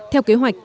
theo kế hoạch